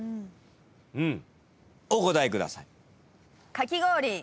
お答えください。